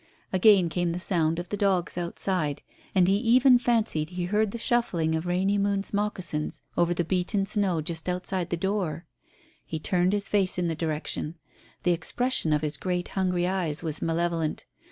Again came the sound of the dogs outside. And he even fancied he heard the shuffling of Rainy Moon's moccasins over the beaten snow just outside the door. He turned his face in the direction. The expression of his great hungry eyes was malevolent.